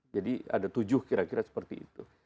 jadi ada tujuh kira kira seperti itu